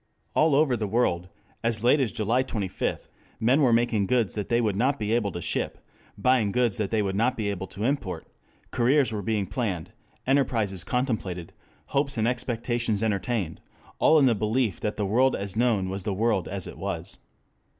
All over the world as late as July 25th men were making goods that they would not be able to ship, buying goods they would not be able to import, careers were being planned, enterprises contemplated, hopes and expectations entertained, all in the belief that the world as known was the world as it was.